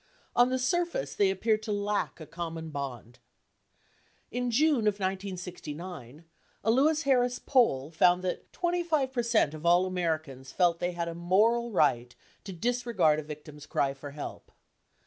On the surface they appeared to lack a common bond. In June of 1969, a Louis Harris poll found that 25 percent of all Americans felt they had a moral right to disregard a victim's cry for help.